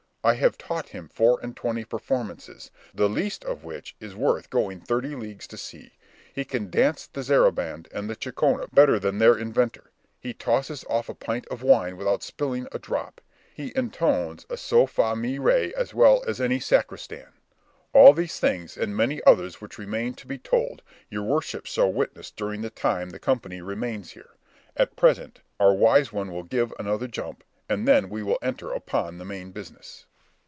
I have taught him four and twenty performances, the least of which is worth going thirty leagues to see. He can dance the zaraband and the chacona better than their inventor; he tosses off a pint of wine without spilling a drop; he intones a sol, fa, mi, re, as well as any sacristan. All these things, and many others which remain to be told, your worships shall witness during the time the company remains here. At present, our wise one will give another jump, and then we will enter upon the main business."